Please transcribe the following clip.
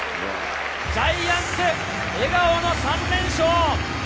ジャイアンツ笑顔の３連勝。